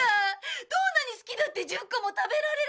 どんなに好きだって１０個も食べられるはずがない！